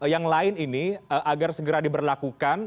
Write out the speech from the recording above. yang lain ini agar segera diberlakukan